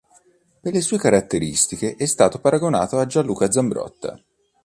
Per le sue caratteristiche è stato paragonato a Gianluca Zambrotta.